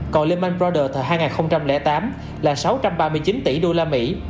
còn lehman brothers ở hai nghìn tám là sáu trăm ba mươi chín tỷ usd